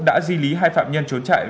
đã di lý hai phạm nhân trốn trại